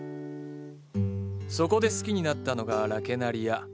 そこで好きになったのがラケナリア。